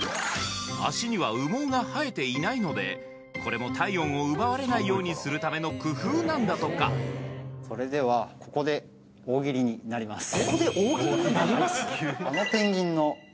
足には羽毛が生えていないのでこれも体温を奪われないようにするための工夫なんだとかここで大喜利になります？